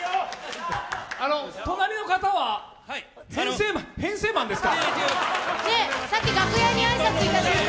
隣の方は編成マンですか？